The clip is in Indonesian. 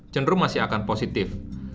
jenur masih akan positif